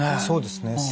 そうですね。